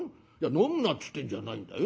飲むなって言ってんじゃないんだよ。